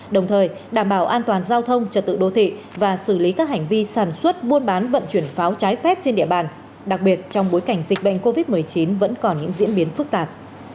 đồng thời đảm bảo an toàn giao thông trật tự đô thị và xử lý các hành vi sản xuất buôn bán vận chuyển pháo trái phép trên địa bàn đặc biệt trong bối cảnh dịch bệnh covid một mươi chín vẫn còn những diễn biến phức tạp